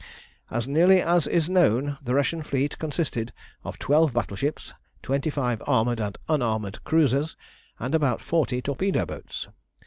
As nearly as is known the Russian fleet consisted of twelve battleships, twenty five armoured and unarmoured cruisers, and about forty torpedo boats.